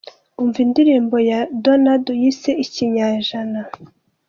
Umva indirimbo ya Donado yise Ikinyajana.